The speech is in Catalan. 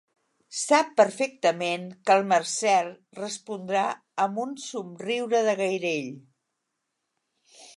Sap perfectament que el Marcel respondrà amb un somriure de gairell.